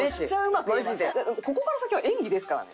ここから先は演技ですから。